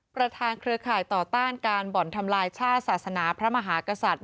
เครือข่ายต่อต้านการบ่อนทำลายชาติศาสนาพระมหากษัตริย